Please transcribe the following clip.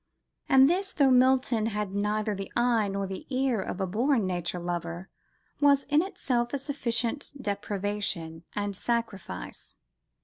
And this, though Milton had neither the eye nor the ear of a born nature lover, was in itself a sufficient deprivation and sacrifice.